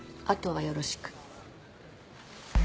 あとはよろしく。